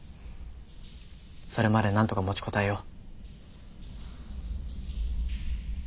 それまでなんとか持ちこたえよう。